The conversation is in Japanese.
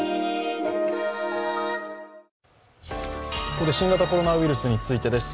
ここで新型コロナウイルスについてです。